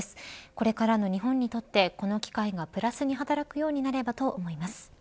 これからの日本にとってこの機会がプラスに働くようになればと思います。